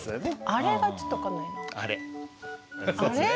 「あれ」がちょっと分かんないな。